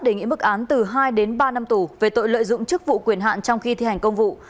đề nghị mức án từ hai đến ba năm tù về tội lợi dụng chức vụ quyền hạn trong khi thi hành công vụ